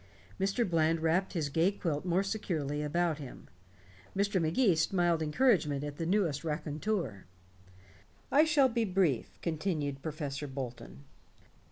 Mr. Bland wrapped his gay quilt more securely about him. Mr. Magee smiled encouragement on the newest raconteur. "I shall be brief," continued Professor Bolton.